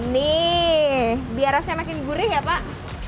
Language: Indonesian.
nih biar rasanya makin gurih ya pak